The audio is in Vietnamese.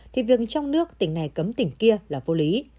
thì việc trong nước tỉnh này cấm tỉnh kia là vô lý